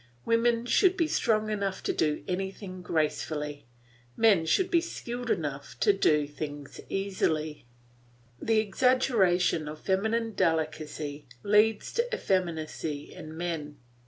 Women should be strong enough to do anything gracefully; men should be skilful enough to do anything easily. The exaggeration of feminine delicacy leads to effeminacy in men.